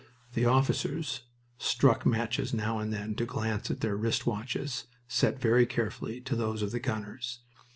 The officers struck matches now and then to glance at their wrist watches, set very carefully to those of the gunners.